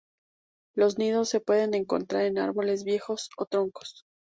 Los nidos se pueden encontrar en árboles viejos o troncos.